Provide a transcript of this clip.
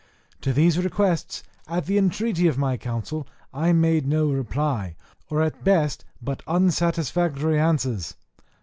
To these requests, at the entreaty of my council, I made no reply, or at best but unsatisfactory answers.